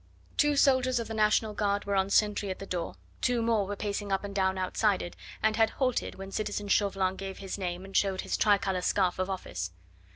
Two soldiers of the National Guard were on sentry at the door, two more were pacing up and down outside it, and had halted when citizen Chauvelin gave his name and showed his tricolour scarf of office.